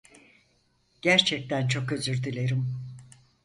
Gerçekten çok özür dilerim.